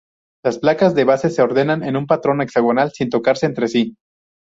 Las placas de base se ordenan en un patrón hexagonal sin tocarse entre sí.